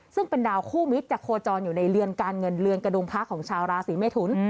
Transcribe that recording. ซึ่งเป็นดาวคู่มิตรจะโคจรอยู่ในเรือนการเงินเรือนกระดุงพระของชาวราศีเมทุน